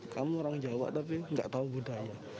kamu orang jawa tapi nggak tahu budaya